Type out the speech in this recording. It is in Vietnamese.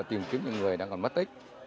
tìm kiếm những người đang còn mất tích